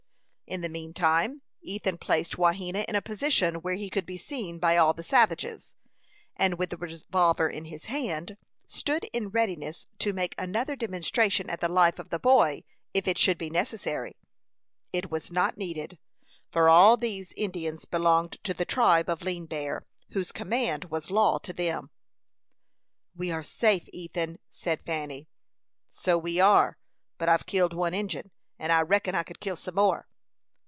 In the mean time Ethan placed Wahena in a position where he could be seen by all the savages, and with the revolver in his hand, stood in readiness to make another demonstration at the life of the boy if it should be necessary. It was not needed, for all these Indians belonged to the tribe of Lean Bear, whose command was law to them. "We are safe, Ethan," said Fanny. "So we are; but I've killed one Injin, and I reckon I could kill some more."